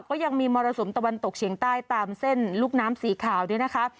ก็ยังมีมรสุมตะวันตกเฉียงใต้ตามเส้นลูกน้ำสีขาวเนี่ยนะคะ